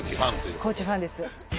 高知ファンです。